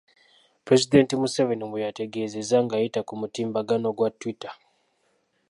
Pulezidenti Museveni bweyategezeza ng'ayita ku mutimbagano gwa Twitter